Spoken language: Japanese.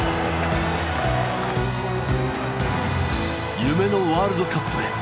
夢のワールドカップへ！